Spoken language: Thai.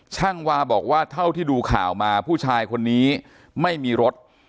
ช่างวาบอกว่าเท่าที่ดูข่าวมาผู้ชายคนนี้ไม่มีรถ